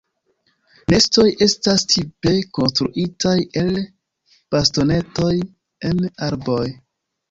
Nestoj estas tipe konstruitaj el bastonetoj en arboj.